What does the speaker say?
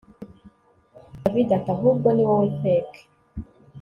david ati ahubwo niwowe feke